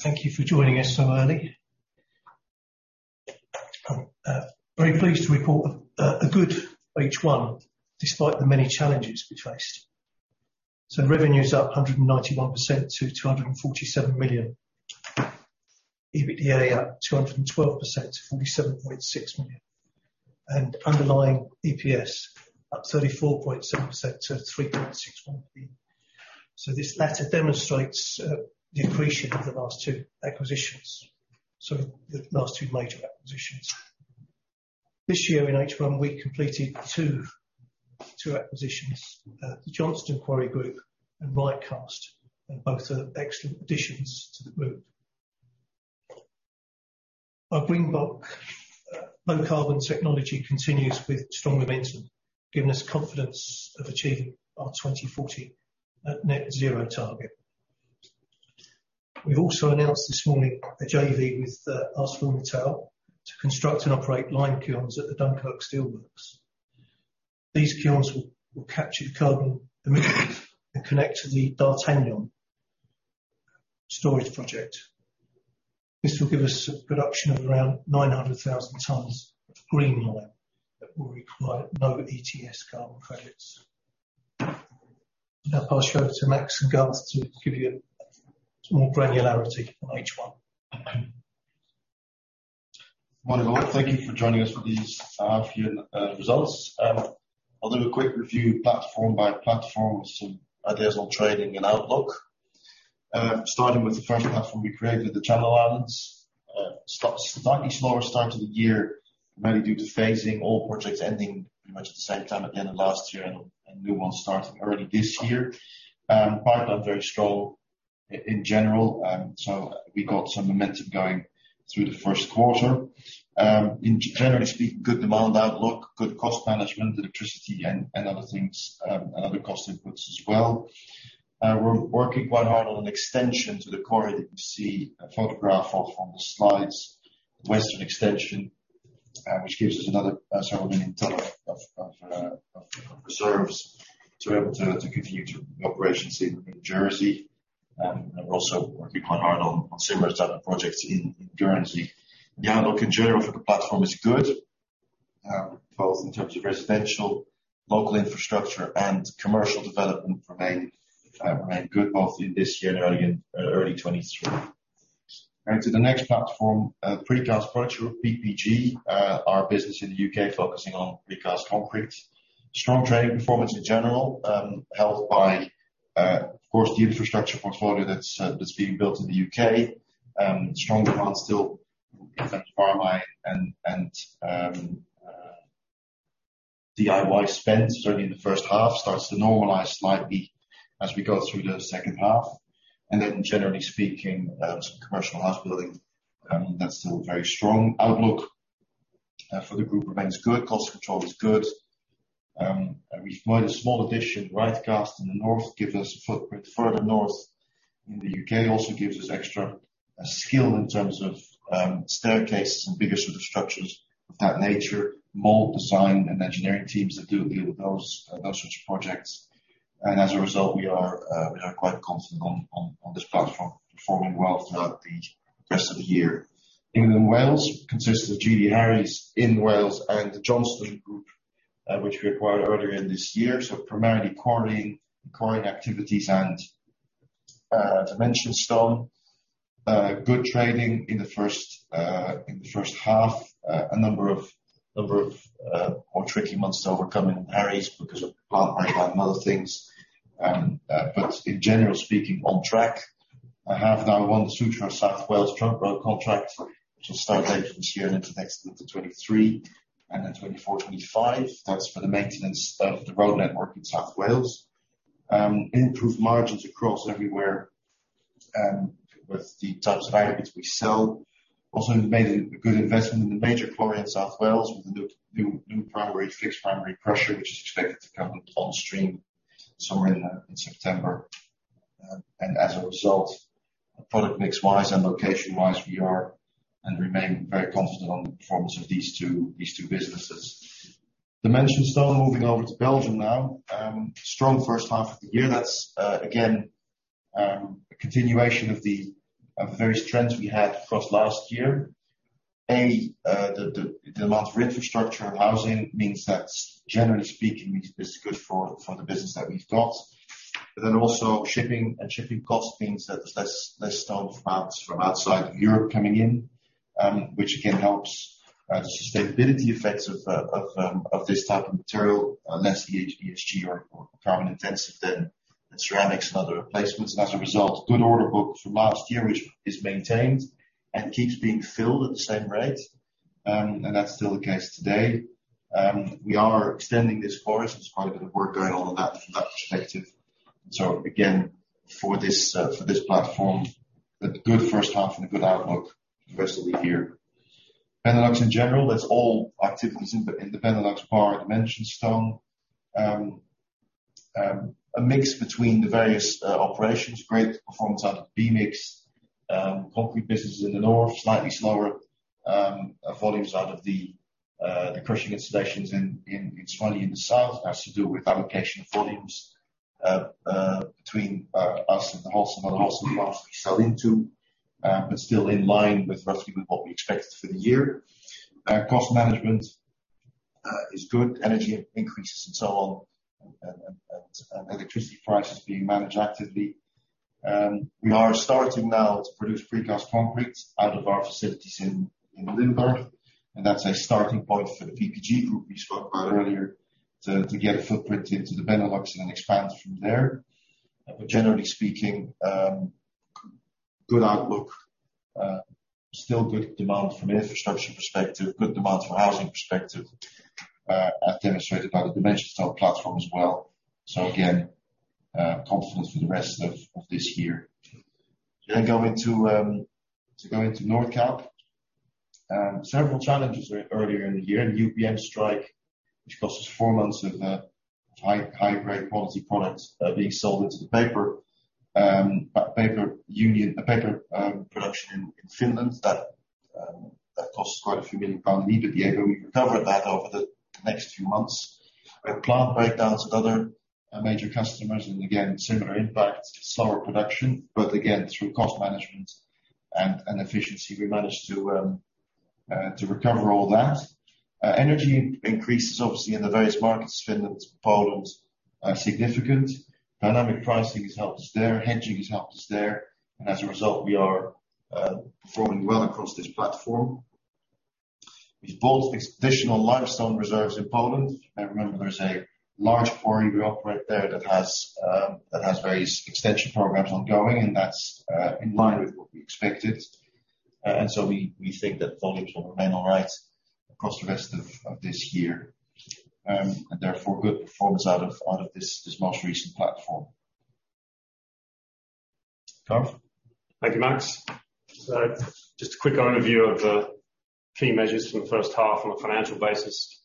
Thank you for joining us so early. Very pleased to report a good H1 despite the many challenges we faced. Revenue is up 191% to 247 million. EBITDA up 212% to 47.6 million. Underlying EPS up 34.7% to 3.61 billion. This latter demonstrates the accretion of the last two acquisitions. Sorry, the last two major acquisitions. This year in H1, we completed two acquisitions, the Johnston Quarry Group and RightCast, and both are excellent additions to the group. Our Greenblock low carbon technology continues with strong momentum, giving us confidence of achieving our 2040 net zero target. We also announced this morning a JV with ArcelorMittal to construct and operate lime kilns at the Dunkirk Steelworks. These kilns will capture the carbon emission and connect to the D'Artagnan storage project. This will give us production of around 900,000 tons of green lime that will require no ETS carbon credits. Now I'll pass you over to Max and Garth to give you more granularity on H1. Morning all. Thank you for joining us for these half year results. I'll do a quick review platform by platform with some ideas on trading and outlook. Starting with the first platform we created, the Channel Islands. Slightly slower start to the year, mainly due to phasing all projects ending pretty much at the same time at the end of last year and new ones starting early this year. Quite a very strong in general, so we got some momentum going through the first quarter. In general speaking, good demand outlook, good cost management, electricity and other things, and other cost inputs as well. We're working quite hard on an extension to the quarry that you see a photograph of on the slides, western extension, which gives us another several million tons of reserves to be able to continue operations in Jersey. We're also working quite hard on similar type of projects in Guernsey. The outlook in general for the platform is good, both in terms of residential, local infrastructure and commercial development remain good both in this year and early in 2023. Going to the next platform, Precast Concrete or PPG, our business in the U.K. focusing on precast concrete. Strong trading performance in general, helped by, of course, the infrastructure portfolio that's being built in the U.K. Strong demand still from RMI and DIY spend certainly in the first half starts to normalize slightly as we go through the second half. Generally speaking, some commercial house building, that's still very strong. Outlook for the group remains good. Cost control is good. We acquired a small addition, RightCast in the north, gives us a footprint further north in the U.K. Also gives us extra skill in terms of, staircases and bigger sort of structures of that nature, more design and engineering teams that do deal with those sorts of projects. As a result, we are quite confident on this platform performing well throughout the rest of the year. England and Wales consists of GD Harries in Wales and the Johnston Quarry Group, which we acquired earlier in this year. Primarily quarrying activities and dimension stone. Good trading in the first half. A number of more tricky months to overcome in Harries because of plant breakdown and other things. Generally speaking, on track. I have now one SWTRA South Wales trunk road contract which will start later this year into next 2023 and then 2024, 2025. That's for the maintenance of the road network in South Wales. Improved margins across everywhere with the types of aggregates we sell. Also made a good investment in the major quarry in South Wales with the new fixed primary crusher, which is expected to come on stream somewhere in September. As a result, product mix-wise and location-wise, we are and remain very confident on the performance of these two businesses. Dimension Stone, moving over to Belgium now. Strong first half of the year. That's again a continuation of the various trends we had across last year. The amount of infrastructure and housing means that's generally speaking is good for the business that we've got. Also shipping and shipping cost means that there's less stone from outside of Europe coming in, which again helps the sustainability effects of this type of material, less GHG or carbon intensive than ceramics and other replacements. As a result, good order books from last year is maintained and keeps being filled at the same rate, and that's still the case today. We are extending this forecast. There's quite a bit of work going on that from that perspective. Again, for this platform, a good first half and a good outlook for the rest of the year. Benelux in general, that's all activities in the Benelux but Dimension Stone. A mix between the various operations. Great performance out of B-Mix. Concrete businesses in the north, slightly slower volumes out of the crushing installations in Soignies in the south. It has to do with allocation of volumes, between us and the wholesale partners we sell into, but still in line with roughly with what we expected for the year. Cost management is good. Energy increases and so on, electricity prices being managed actively. We are starting now to produce precast concrete out of our facilities in Limburg, and that's a starting point for the PPG group we spoke about earlier to get a footprint into the Benelux and expand from there. Generally speaking, good outlook, still good demand from infrastructure perspective, good demand from housing perspective, as demonstrated by the dimensions of our platform as well. Again, confident for the rest of this year. Going to go into Nordkalk, several challenges earlier in the year. The UPM strike, which cost us four months of high-grade quality products being sold into the paper production in Finland that cost us quite a few million GBP. We recovered that over the next few months. We had plant breakdowns at other major customers, and again, similar impact to slower production, but again, through cost management and efficiency, we managed to recover all that. Energy increases obviously in the various markets, Finland, Poland, significant. Dynamic pricing has helped us there, hedging has helped us there, and as a result, we are performing well across this platform. We've bought these additional limestone reserves in Poland, and remember, there's a large quarry we operate there that has various extension programs ongoing, and that's in line with what we expected. We think that volumes will remain all right across the rest of this year. Good performance out of this most recent platform. Garth? Thank you, Max. Just a quick overview of key measures for the first half on a financial basis.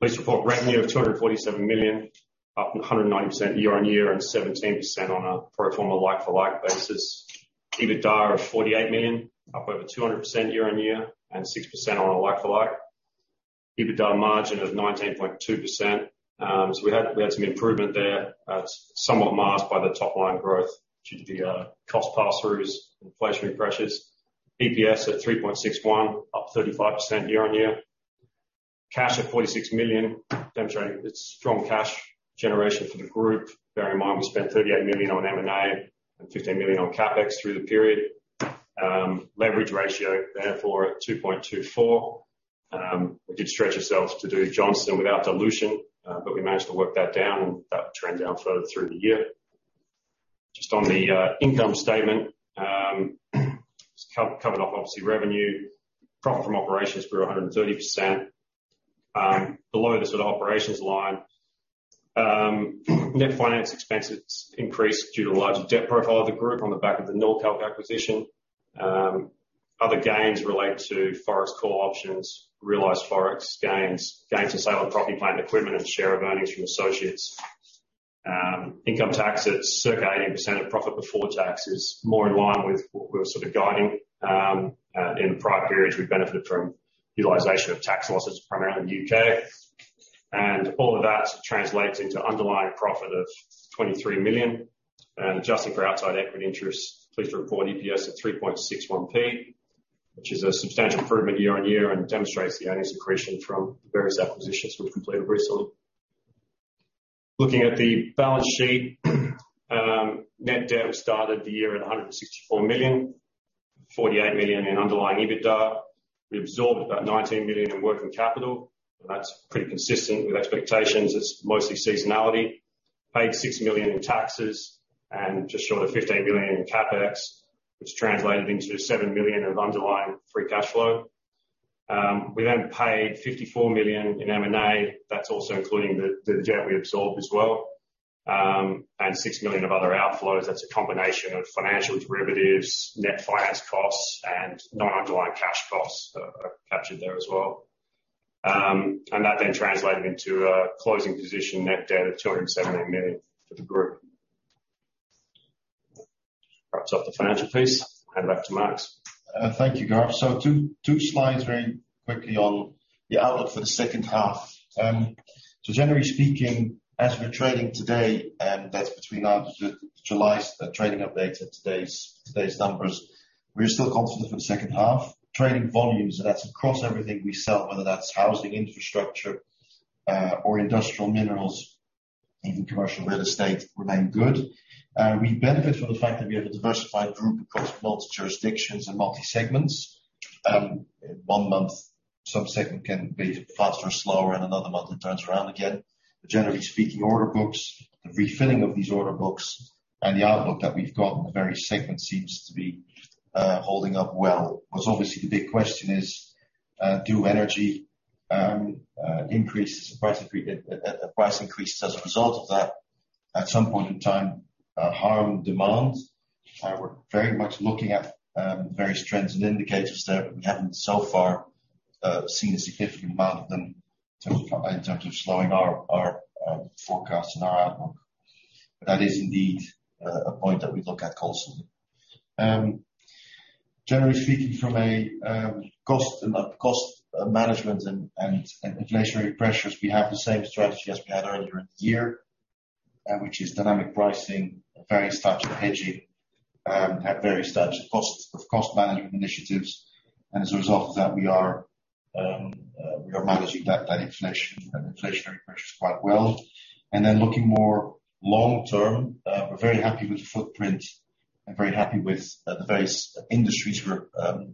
Reported revenue of 247 million, up 190% year-on-year and 17% on a pro forma like-for-like basis. EBITDA of 48 million, up over 200% year-on-year and 6% on a like-for-like. EBITDA margin of 19.2%. We had some improvement there. That's somewhat masked by the top line growth due to the cost pass-throughs, inflationary pressures. EPS at 3.61, up 35% year-on-year. Cash at 46 million, demonstrating its strong cash generation for the group. Bear in mind, we spent 38 million on M&A and 15 million on CapEx through the period. Leverage ratio therefore at 2.24. We did stretch ourselves to do Johnston without dilution, but we managed to work that trend down further through the year. Just on the income statement, just covered off obviously revenue. Profit from operations grew 130%. Below the operations line, net finance expenses increased due to a larger debt profile of the group on the back of the Nordkalk acquisition. Other gains relate to forest call options, realized forest gains for sale of property, plant, and equipment, and share of earnings from associates. Income tax at circa 80% of profit before tax is more in line with what we were sort of guiding. In the prior periods, we benefited from utilization of tax losses, primarily in the U.K. All of that translates into underlying profit of 23 million. Adjusting for outside equity interest, reported EPS at 3.61p, which is a substantial improvement year-on-year and demonstrates the earnings accretion from the various acquisitions we've completed recently. Looking at the balance sheet, net debt started the year at 164 million, 48 million in underlying EBITDA. We absorbed about 19 million in working capital. That's pretty consistent with expectations. It's mostly seasonality. Paid 6 million in taxes and just short of 15 million in CapEx, which translated into 7 million of underlying free cash flow. We then paid 54 million in M&A. That's also including the debt we absorbed as well. And 6 million of other outflows. That's a combination of financial derivatives, net finance costs, and non-underlying cash costs are captured there as well. That then translated into a closing position net debt of 278 million for the group. Wraps up the financial piece. Hand back to Max. Thank you, Garth. Two slides very quickly on the outlook for the second half. Generally speaking, as we're trading today, and that's between our July's trading update and today's numbers, we are still confident for the second half. Trading volumes, so that's across everything we sell, whether that's housing, infrastructure, or industrial minerals, even commercial real estate, remain good. We benefit from the fact that we have a diversified group across multiple jurisdictions and multi segments. One month, some segment can be faster or slower, and another month it turns around again. Generally speaking, order books, the refilling of these order books and the outlook that we've got in the various segments seems to be holding up well. Of course, obviously, the big question is, do energy price increases as a result of that at some point in time harm demand? We're very much looking at various trends and indicators there. We haven't so far seen a significant amount of them in terms of slowing our forecasts and our outlook. That is indeed a point that we look at closely. Generally speaking, from a cost management and inflationary pressures, we have the same strategy as we had earlier in the year, which is dynamic pricing, a touch of hedging, and a touch of cost management initiatives. As a result of that, we are managing that inflation, inflationary pressures quite well. Looking more long-term, we're very happy with the footprint and very happy with the various industries we're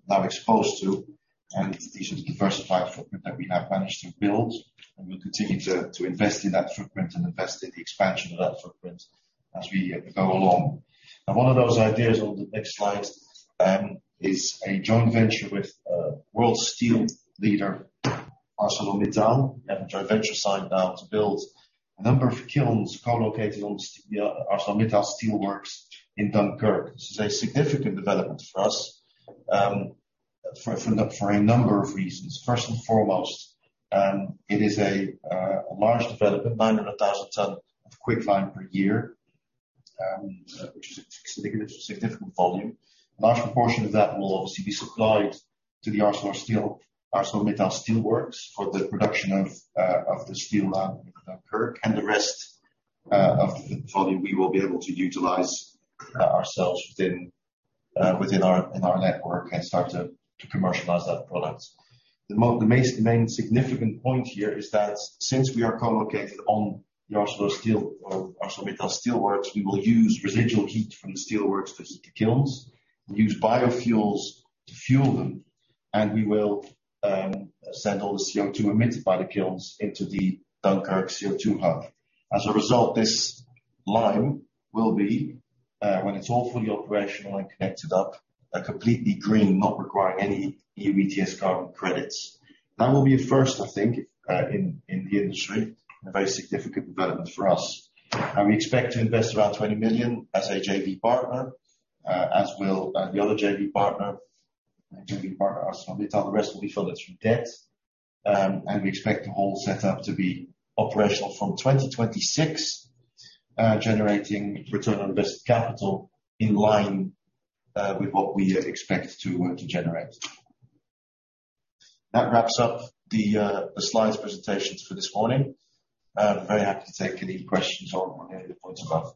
now exposed to, and this is a diversified footprint that we have managed to build and we'll continue to invest in that footprint and invest in the expansion of that footprint as we go along. Now, one of those ideas on the next slide is a joint venture with world steel leader, ArcelorMittal. We have a joint venture signed now to build a number of kilns co-located on the ArcelorMittal steelworks in Dunkirk. This is a significant development for us, for a number of reasons. First and foremost, it is a large development, 900,000 tons of quicklime per year, which is a significant volume. A large proportion of that will obviously be supplied to the ArcelorMittal steelworks for the production of the steel in Dunkirk. The rest of the volume we will be able to utilize ourselves within our network and start to commercialize that product. The main significant point here is that since we are co-located on the ArcelorMittal steelworks, we will use residual heat from the steelworks to heat the kilns and use biofuels to fuel them, and we will send all the CO2 emitted by the kilns into the Dunkirk CO2 hub. As a result, this lime will be, when it's all fully operational and connected up, completely green, not requiring any E.U. ETS carbon credits. That will be a first, I think, in the industry and a very significant development for us. We expect to invest around 20 million as a JV partner, as will the other JV partner, ArcelorMittal. The rest will be funded through debt. We expect the whole setup to be operational from 2026, generating return on invested capital in line with what we expect to generate. That wraps up the slides presentations for this morning. Very happy to take any questions on any of the points above.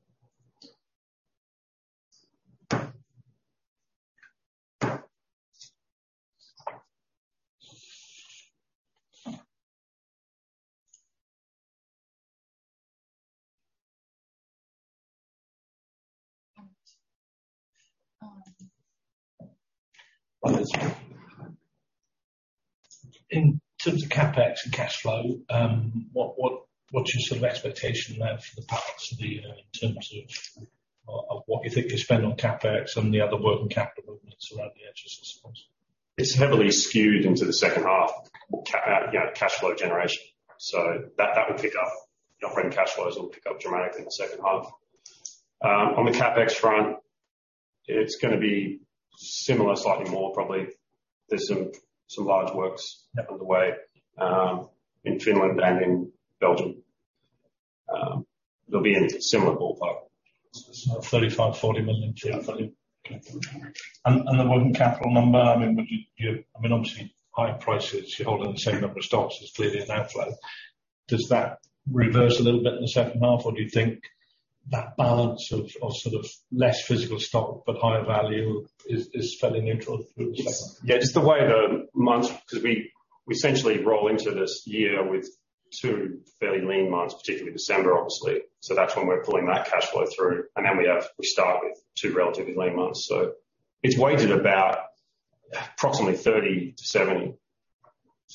In terms of CapEx and cash flow, what's your sort of expectation there for the balance of the year in terms of what you think you spend on CapEx and the other working capital movements around the edges, I suppose? It's heavily skewed into the second half. You know, cash flow generation. That will pick up. Operating cash flows will pick up dramatically in the second half. On the CapEx front, it's gonna be similar, slightly more probably. There's some large works happening the way, in Finland and in Belgium. They'll be in similar ballpark. 35-40 million. Yeah. Okay. The working capital number, I mean, you have, I mean, obviously higher prices, you're holding the same number of stocks, there's clearly an outflow. Does that reverse a little bit in the second half, or do you think that balance of sort of less physical stock but higher value is fairly neutral through the second half? Yeah, just the way the months, 'cause we essentially roll into this year with two fairly lean months, particularly December obviously. That's when we're pulling that cash flow through. We start with two relatively lean months. It's weighted about approximately 30-70.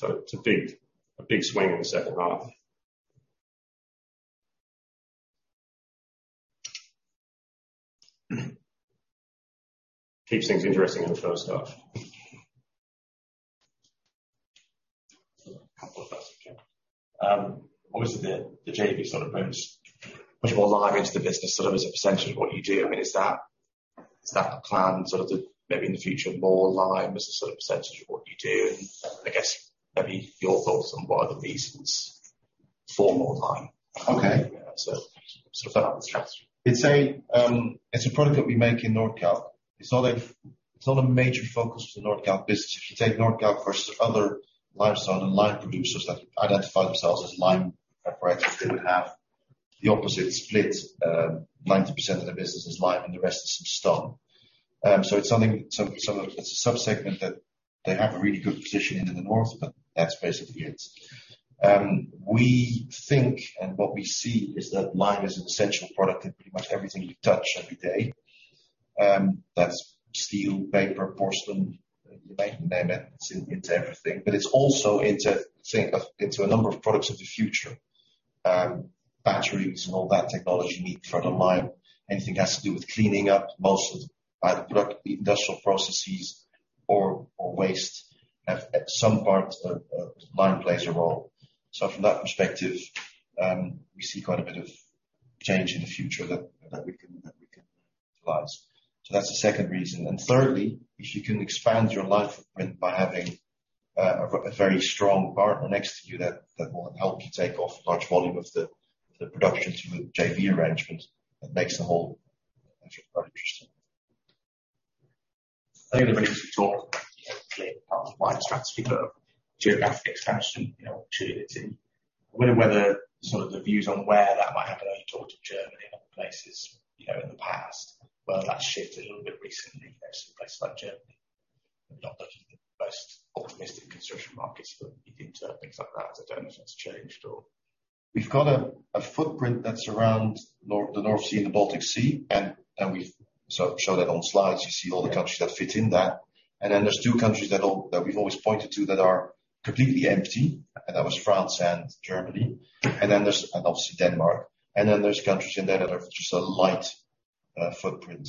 It's a big swing in the second half. Keeps things interesting in the first half. Couple of questions, yeah. Obviously the JV sort of brings much more lime into the business sort of as a percentage of what you do. I mean, is that the plan sort of to maybe in the future more lime as a sort of percentage of what you do? I guess maybe your thoughts on why the reasons for more lime. Okay. Sort of along those tracks. It's a product that we make in Nordkalk. It's not a major focus for the Nordkalk business. If you take Nordkalk versus other limestone and lime producers that identify themselves as lime operators, they would have the opposite split. 90% of their business is lime and the rest is some stone. It's a sub-segment that they have a really good position in the north, but that's basically it. We think and what we see is that lime is an essential product in pretty much everything you touch every day. That's steel, paper, porcelain, you name it's into everything. But it's also into a number of products of the future. Batteries and all that technology need further lime. Anything has to do with cleaning up most of either product, industrial processes or waste at some part. Lime plays a role. From that perspective, we see quite a bit of change in the future that we can. That's the second reason. Thirdly, if you can expand your lime by having a very strong partner next to you that will help you offtake large volume of the production through the JV arrangement, that makes the whole measure quite interesting. Earlier in the talk, you know, part of the wider strategy, but geographic expansion, you know, opportunity. I wonder whether sort of the views on where that might happen. I know you talked of Germany and other places, you know, in the past. Whether that's shifted a little bit recently. You know, some places like Germany, not the most optimistic construction markets, but you did things like that. I don't know if that's changed or? We've got a footprint that's around the North Sea and the Baltic Sea. We show that on slides. You see all the countries that fit in that. There's two countries that we've always pointed to that are completely empty, and that was France and Germany. Obviously Denmark. There's countries in there that have just a light footprint.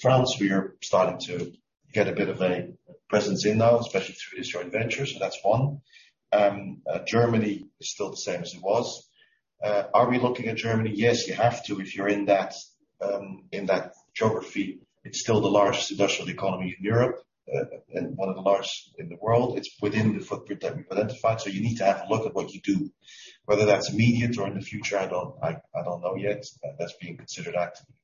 France, we are starting to get a bit of a presence in now, especially through the joint ventures. That's one. Germany is still the same as it was. Are we looking at Germany? Yes, you have to if you're in that geography. It's still the largest industrial economy in Europe and one of the largest in the world. It's within the footprint that we've identified, so you need to have a look at what you do. Whether that's immediate or in the future, I don't know yet. That's being considered actively.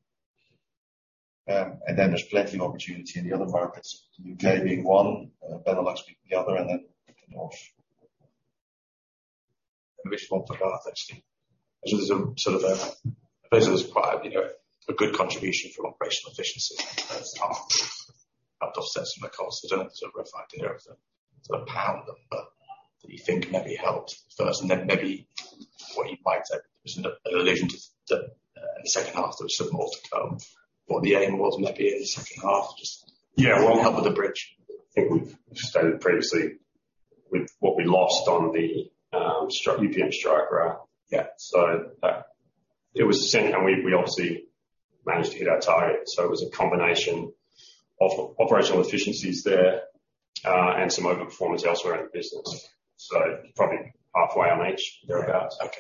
There's plenty of opportunity in the other markets. U.K. being one, Benelux being the other, and then the north. In response to that actually. There's a sort of a, I suppose it was quite, you know, a good contribution from operational efficiencies in the first half. Up to a certain cost. I don't know, sort of a rough idea of the, sort of pound number that you think maybe helped first and then maybe what you might have alluded to in the second half, there was some more to come. What the aim was maybe in the second half just. Yeah. Help with the bridge. I think we've stated previously with what we lost on the, UPM strike, right? Yeah. That it was the same, and we obviously managed to hit our target, so it was a combination of operational efficiencies there, and some overperformance elsewhere in the business. Probably halfway on each thereabouts. Okay.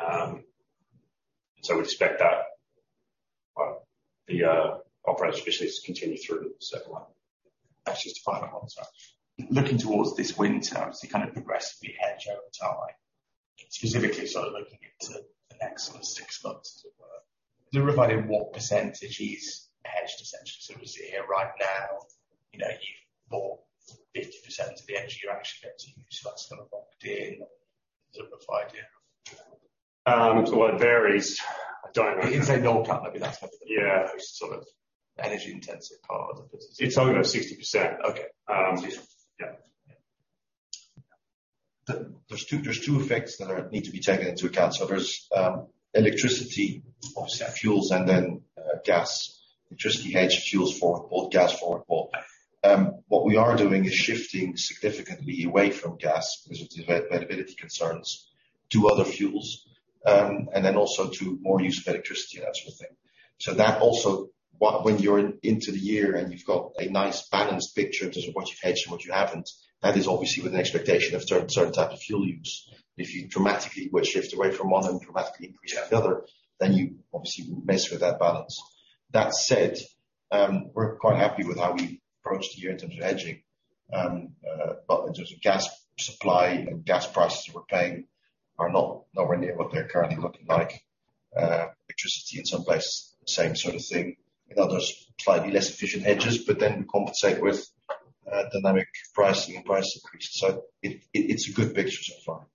Cool. We'd expect that the operational efficiencies to continue through the second one. That's just final one, sorry. Looking towards this winter, obviously kind of progressively hedge over time. Specifically sort of looking into the next sort of six months at work. Is there a way of what percentage is hedged essentially? As it is here right now, you know, you've bought 50% of the energy you actually get to use, so that's kind of locked in. Is there a rough idea? Well, it varies. I don't. You can say the whole plan, maybe that's. Yeah. Sort of energy intensive part of the business. It's over 60%. Okay. Yeah. Yeah. There are two effects that need to be taken into account. There's electricity, obviously our fuels, and then gas. Electricity hedged, fuels for both, gas forward. What we are doing is shifting significantly away from gas because of the viability concerns to other fuels. And then also to more use of electricity and that sort of thing. That also when you're into the year and you've got a nice balanced picture in terms of what you've hedged and what you haven't, that is obviously with an expectation of certain type of fuel use. If you dramatically were to shift away from one and dramatically increase the other, then you obviously mess with that balance. That said, we're quite happy with how we approached the year in terms of hedging. In terms of gas supply and gas prices we're paying are not nowhere near what they're currently looking like. Electricity in some places, same sort of thing. In others, slightly less efficient hedges, but then compensate with dynamic pricing and price increases. It's a good picture so far.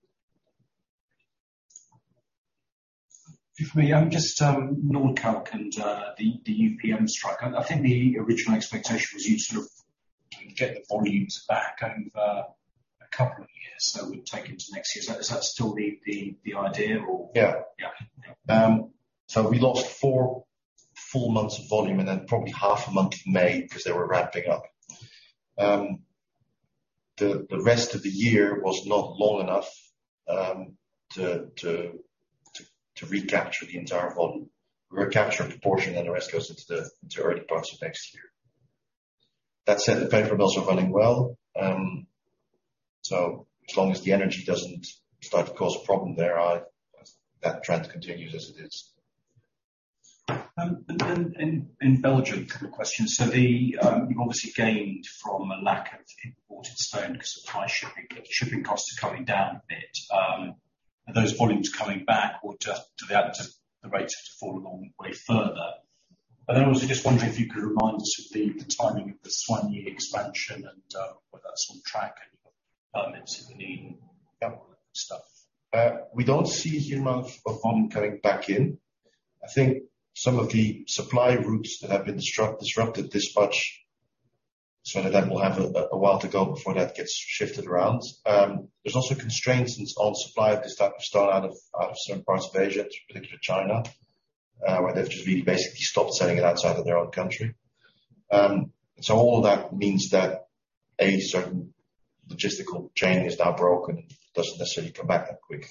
Nordkalk and the UPM strike. I think the original expectation was you'd sort of get the volumes back over a couple of years, so we'd take into next year. Is that still the idea or? Yeah. Yeah. We lost four months of volume and then probably half a month in May 'cause they were ramping up. The rest of the year was not long enough to recapture the entire volume. We recaptured a portion, and the rest goes into early parts of next year. That said, the paper mills are running well, so as long as the energy doesn't start to cause a problem there, that trend continues as it is. In Belgium, quick question. You've obviously gained from a lack of imported stone 'cause of high shipping. Shipping costs are coming down a bit. Are those volumes coming back or do the rates have to fall a long way further? I was just wondering if you could remind us of the timing of the Soignies expansion and whether that's on track and you've got permits and the government stuff. We don't see huge amount of volume coming back in. I think some of the supply routes that have been disrupted this much, so that then will have a while to go before that gets shifted around. There's also constraints on supply of this type of stone out of certain parts of Asia, in particular China, where they've just really basically stopped selling it outside of their own country. All of that means that a certain logistical chain is now broken and doesn't necessarily come back that quick.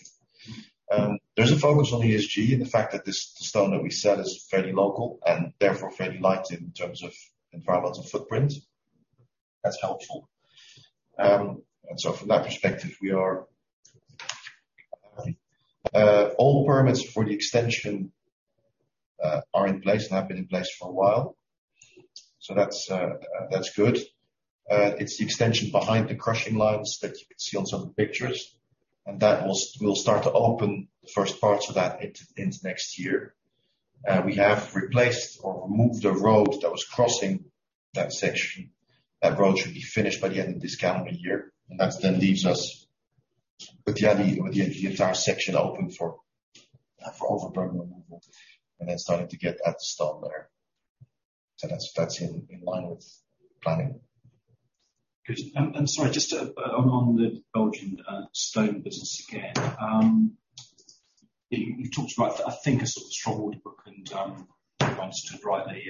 There's a focus on ESG and the fact that this stone that we sell is fairly local and therefore fairly light in terms of environmental footprint. That's helpful. From that perspective, all permits for the extension are in place, and have been in place for a while. That's good. It's the extension behind the crushing lines that you can see on some of the pictures. That will start to open, the first parts of that ends next year. We have replaced or removed a road that was crossing that section. That road should be finished by the end of this calendar year. That then leaves us with the entire section open for overburden removal, and then starting to get that to start there. That's in line with planning. Good. Sorry, just on the Belgian stone business again. You talked about, I think, a sort of strong order book and, if I understood rightly,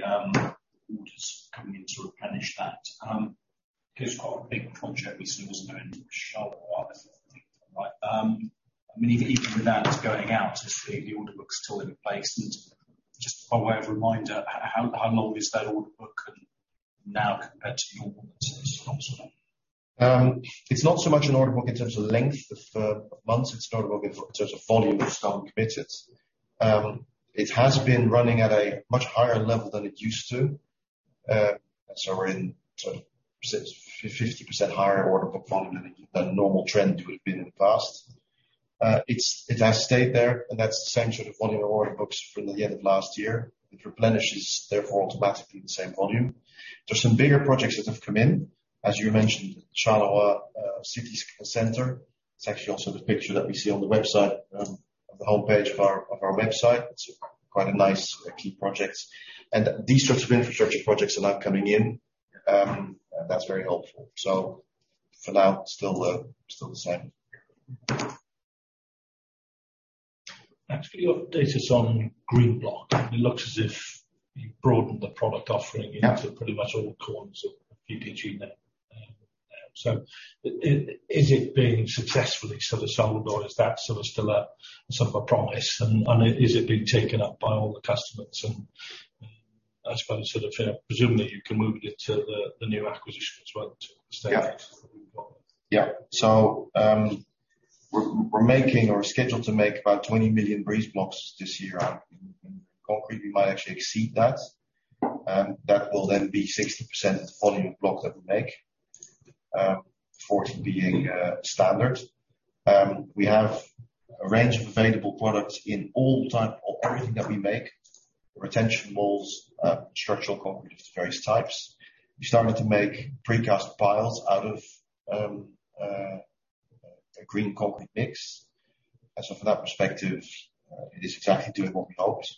orders coming in to replenish that. We've quite a big contract recently won in Charleroi, right. I mean, even with that going out, is the order book still in place? Just by way of reminder, how long is that order book now compared to your books as a customer? It's not so much an order book in terms of length of months. It's an order book in terms of volume of stone committed. It has been running at a much higher level than it used to. We're in sort of 50$-60% higher order book volume than a normal trend would have been in the past. It has stayed there, and that's the same sort of volume of order books from the end of last year. It replenishes, therefore, automatically the same volume. There's some bigger projects that have come in. As you mentioned, Charleroi city center. It's actually also the picture that we see on the website of the home page of our website. It's quite a nice key project. These sorts of infrastructure projects are now coming in, and that's very helpful. For now, still the same. Actually, your data's on green block. It looks as if you've broadened the product offering. Yeah. into pretty much all corners of PPG net. Is it being successfully sort of sold, or is that sort of still a sort of promise, and is it being taken up by all the customers? I suppose sort of, presumably you can move it into the new acquisition as well to. Yeah. Sustain it as a Greenblock. Yeah. We're making or scheduled to make about 20 million breeze blocks this year. In concrete, we might actually exceed that. That will then be 60% of the volume of blocks that we make, 40 being standard. We have a range of available products in all the type or everything that we make. Retaining walls, structural concrete of various types. We started to make precast piles out of green concrete mix. From that perspective, it is exactly doing what we hoped.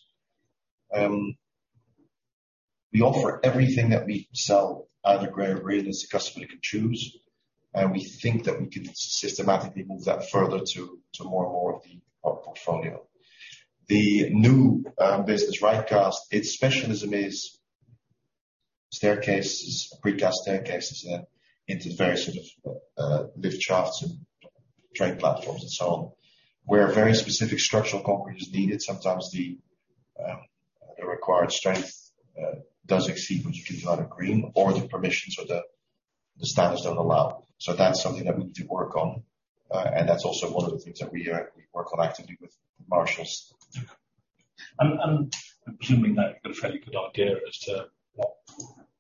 We offer everything that we sell either gray or green, as the customer can choose. We think that we can systematically move that further to more and more of our portfolio. The new business, RightCast, its specialism is staircases, precast staircases, into various sort of lift shafts and train platforms and so on, where very specific structural concrete is needed. Sometimes the required strength does exceed what you can do out of Greenblock or the permissions or the standards don't allow. That's something that we need to work on. That's also one of the things that we work on actively with Marshalls. Okay. I'm assuming that you've got a fairly good idea as to what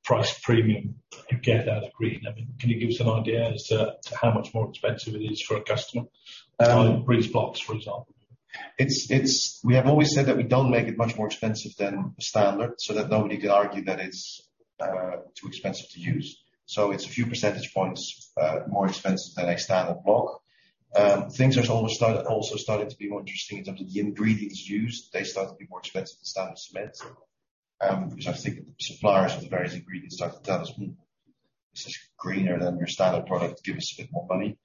price premium you get out of green. I mean, can you give us an idea as to how much more expensive it is for a customer? Um- Breeze blocks, for example. We have always said that we don't make it much more expensive than standard, so that nobody can argue that it's too expensive to use. It's a few percentage points more expensive than a standard block. Things have almost started to be more interesting in terms of the ingredients used. They start to be more expensive than standard cement. Because I think suppliers of the various ingredients start to tell us, "Hmm, this is greener than your standard product. Give us a bit more money."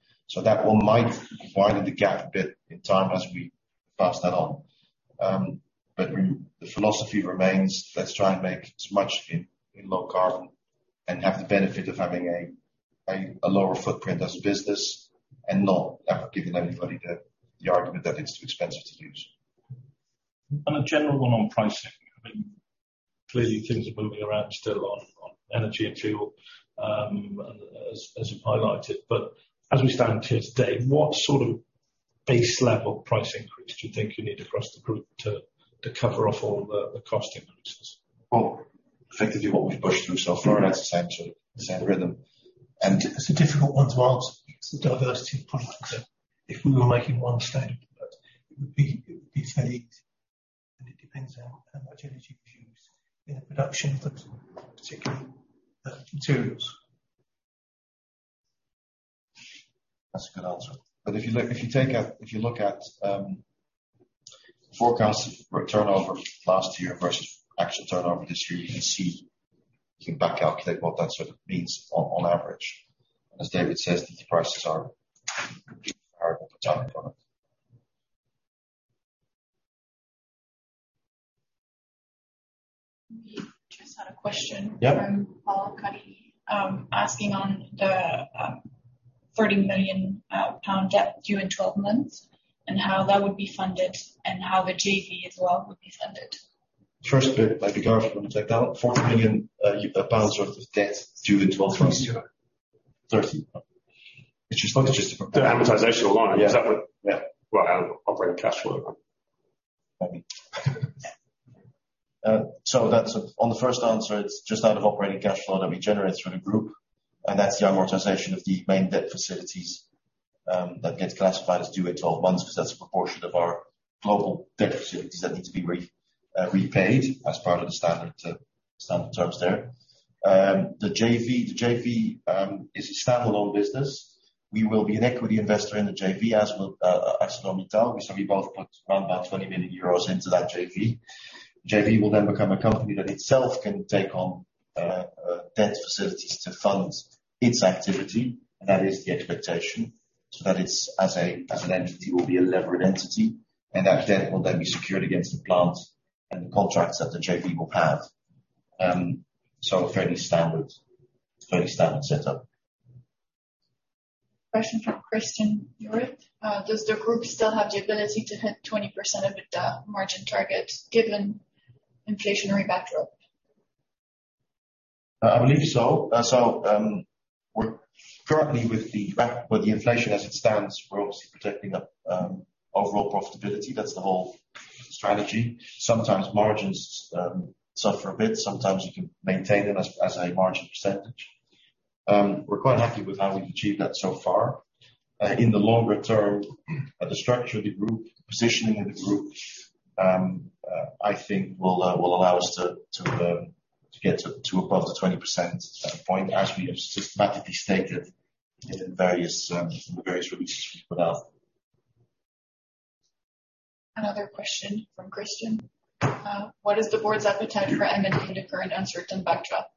That one might widen the gap a bit in time as we pass that on. The philosophy remains, let's try and make as much in low carbon and have the benefit of having a lower footprint as a business and not ever giving anybody the argument that it's too expensive to use. A general one on pricing. I mean, clearly things are moving around still on energy and fuel, as you've highlighted. As we stand here today, what sort of base level price increase do you think you need across the group to cover off all the cost increases? Well, effectively what we've pushed through so far, and that's the same sort of rhythm. It's a difficult one to answer because the diversity of products that if we were making one stone, it would be fairly easy. It depends on how much energy we've used in the production, but particularly the materials. That's a good answer. If you look at forecast for turnover last year versus actual turnover this year, you can see, you can back calculate what that sort of means on average. As David says, the prices are comparable to other products. We just had a question. Yeah. From Paul Cuddy, asking on the 30 million pound debt due in 12 months, and how that would be funded and how the JV as well would be funded. First bit by Garth Palmer, like that 40 million pounds worth of debt due in 12 months. 30. It's just. It's just The amortization line. Yeah. Is that what? Yeah. Right out of operating cash flow. Maybe. On the first answer, it's just out of operating cash flow that we generate through the group, and that's the amortization of the main debt facilities that gets classified as due in 12 months 'cause that's a proportion of our global debt facilities that need to be repaid as part of the standard terms there. The JV is a standalone business. We will be an equity investor in the JV, as will ArcelorMittal. We shall be both putting around about 20 million euros into that JV. JV will then become a company that itself can take on debt facilities to fund its activity, and that is the expectation. That it's, as an entity, will be a levered entity, and that debt will then be secured against the plant and the contracts that the JV will have. A fairly standard setup. Question from Christian Jureit. Does the group still have the ability to hit 20% EBITDA margin target given inflationary backdrop? I believe so. We're currently with the inflation as it stands, we're obviously protecting the overall profitability. That's the whole strategy. Sometimes margins suffer a bit. Sometimes you can maintain them as a margin percentage. We're quite happy with how we've achieved that so far. In the longer term, the structure of the group, the positioning of the group, I think will allow us to get to above the 20% point as we have systematically stated in the various releases we put out. Another question from Christian. What is the board's appetite for M&A in the current uncertain backdrop?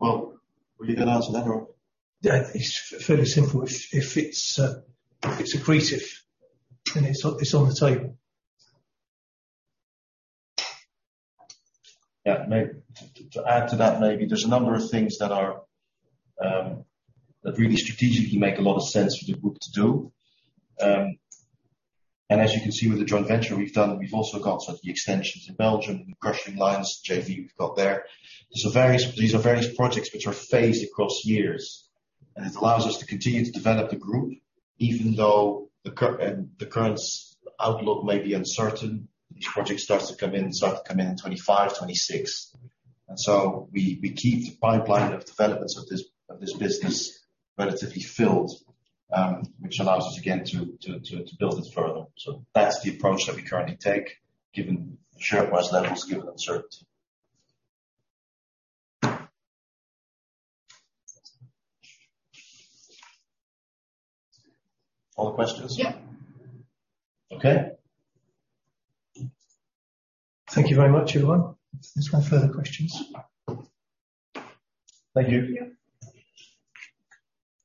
Well, will you allow to answer that, Rob? Yeah, it's fairly simple. If it's accretive, then it's on the table. To add to that, maybe there's a number of things that really strategically make a lot of sense for the group to do. As you can see with the joint venture we've done, we've also got sort of the extensions in Belgium, the crushing lines JV we've got there. There are various projects which are phased across years, and it allows us to continue to develop the group even though the current outlook may be uncertain. These projects start to come in in 2025, 2026. We keep the pipeline of developments of this business relatively filled, which allows us again to build it further. That's the approach that we currently take given share price levels, given uncertainty. All the questions? Yeah. Okay. Thank you very much, everyone. There's no further questions. Thank you. Thank you.